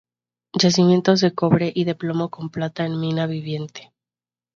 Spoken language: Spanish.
Yacimientos de cobre y de plomo con plata en mina Viviente.